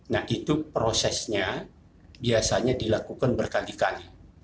nah itu prosesnya biasanya dilakukan berkali kali